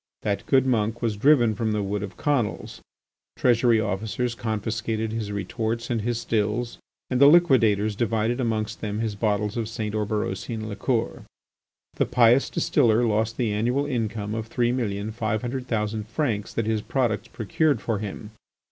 That good monk was driven from the Wood of Conils. Treasury officers confiscated his retorts and his stills, and the liquidators divided amongst them his bottles of St. Oberosian liqueur. The pious distiller lost the annual income of three million five hundred thousand francs that his products procured for him.